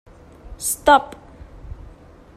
Stop.